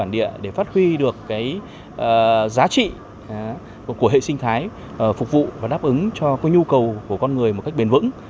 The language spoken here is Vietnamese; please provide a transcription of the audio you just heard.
để phát huy được giá trị của hệ sinh thái phục vụ và đáp ứng cho nhu cầu của con người một cách bền vững